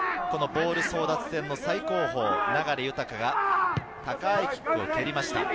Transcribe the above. このボール争奪戦の最高峰、流大が高いキックを蹴りました。